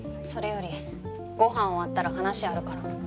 それよりご飯終わったら話あるから。